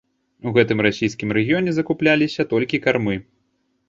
У гэтым расійскім рэгіёне закупляліся толькі кармы.